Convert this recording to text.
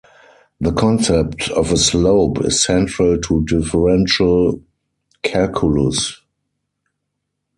The concept of a slope is central to differential calculus.